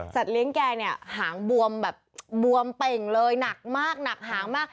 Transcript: เลี้ยงแกเนี่ยหางบวมแบบบวมเป่งเลยหนักมากหนักหางมาก